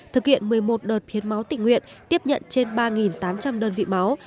thực hiện một mươi một đợt hiến máu tình nguyện tiếp nhận trên ba tám trăm linh đơn vị máu